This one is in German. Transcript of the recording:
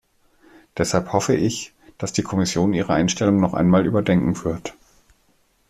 Deshalb hoffe ich, dass die Kommission ihre Einstellung noch einmal überdenken wird.